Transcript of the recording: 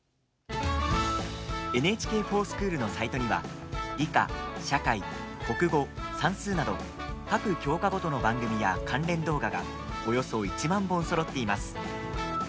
「ＮＨＫｆｏｒＳｃｈｏｏｌ」のサイトには理科、社会、国語、算数など各教科ごとの番組や関連動画がおよそ１万本そろっています。